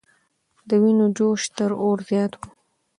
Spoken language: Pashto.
د وینو جوش تر اور زیات و.